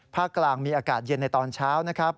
กลางมีอากาศเย็นในตอนเช้านะครับ